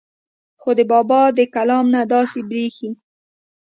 خو د بابا د کلام نه داسې بريښي